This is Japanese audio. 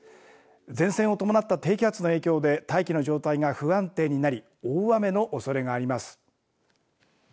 前線を伴った低気圧の影響で大気の状態が不安定になり大雨のおそれがあります。